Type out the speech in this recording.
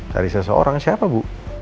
cari seseorang siapa bu